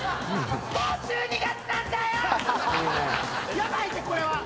ヤバいってこれは。